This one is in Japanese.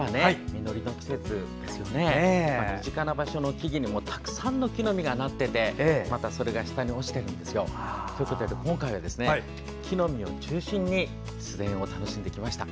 身近な場所の木々にもたくさんの木の実がなっていてまたそれが下に落ちてるんですよ。ということで今回は木の実を中心に自然を楽しんできました。